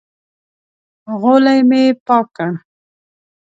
غولی مې پاک کړ.